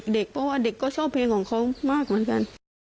เด็กเพราะว่าเด็กก็ชอบเพลงของเขามากเหมือนกัน